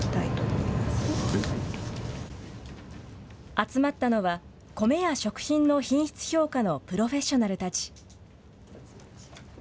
集まったのは、コメや食品の品質評価のプロフェッショナルたち。